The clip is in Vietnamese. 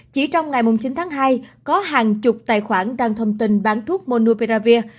chỉ trong ngày chín tháng hai có hàng chục tài khoản đang thông tin bán thuốc monupiravir